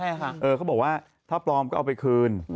เออเขาบอกว่าถ้าปลอมก็เอาไปคืน